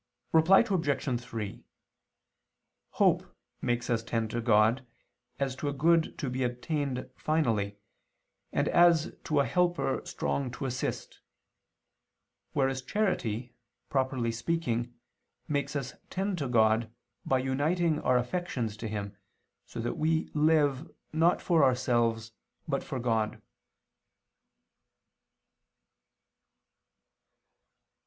Reply Obj. 3: Hope makes us tend to God, as to a good to be obtained finally, and as to a helper strong to assist: whereas charity, properly speaking, makes us tend to God, by uniting our affections to Him, so that we live, not for ourselves, but for God.